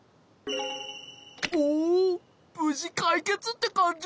おぶじかいけつってかんじ？